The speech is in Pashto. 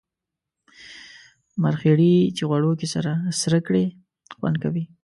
مرخیړي چی غوړو کی سره کړی خوند کوي